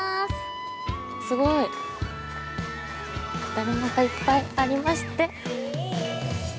◆だるまさんが、いっぱいありまして。